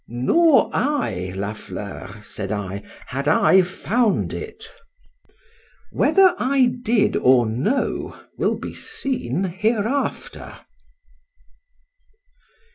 —Nor I, La Fleur, said I, had I found it. Whether I did or no will be seen hereafter.